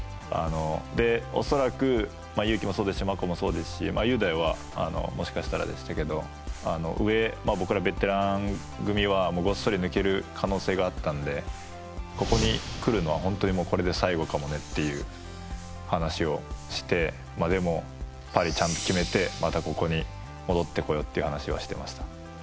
恐らく勇樹もそうですしマコもそうですし雄大は、もしかしたらでしたけど上、僕らベテラン組はごっそり抜ける可能性があったのでここに来るのは本当にこれで最後かもねって話をしてでも、ちゃんとパリ決めてまた、ここに戻ってこようという話はしてました。